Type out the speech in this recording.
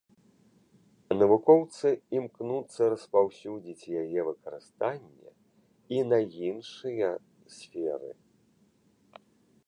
Навукоўцы імкнуцца распаўсюдзіць яе выкарыстанне і на іншыя сферы.